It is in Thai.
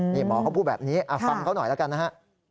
นี่หมอเขาพูดแบบนี้ฟังเขาหน่อยแล้วกันนะฮะ